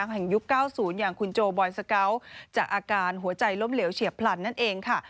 แห่งยุคเก้าศูนย์อย่างคุณโจบอยด์สเกาส์จากอาการหัวใจล้มเหลวเฉียบผลันนั่นเองค่ะ